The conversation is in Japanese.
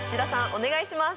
お願いします。